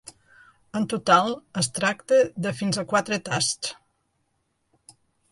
En total, es tracta de fins a quatre tasts.